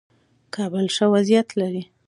کابل ښه وضعیت لري.